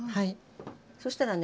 そしたらね